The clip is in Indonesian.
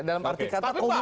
dalam arti kata komunikasi